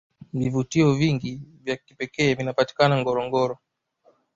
vvivutio vingi na vya kipekee vinapatikana ngorongoro